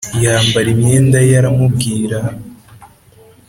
yambara imyenda ye aramubwira